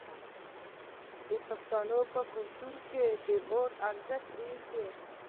د پښتنو په کلتور کې د اور ارزښت ډیر دی.